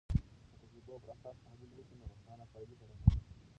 که د تجربو پراساس تحلیل وسي، نو روښانه پایلې به رامنځته سي.